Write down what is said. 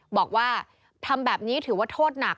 บอกว่าทำแบบนี้ถือว่าโทษหนัก